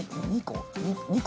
２個？